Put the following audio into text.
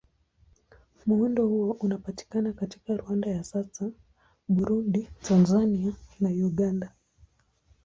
Muundo huo unapatikana katika Rwanda ya sasa, Burundi, Tanzania na Uganda.